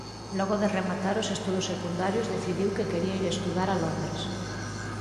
Logo de rematar os estudos secundarios decidiu que quería ir estudar a Londres.